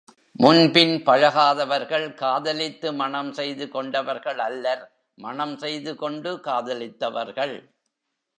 முன்பின் பழகாதவர்கள் காதலித்து மணம் செய்து கொண்டவர்கள் அல்லர், மணம் செய்து கொண்டு காதலித்தவர்கள்.